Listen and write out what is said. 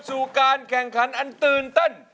จบกับแกนขันอันตื่นเต้น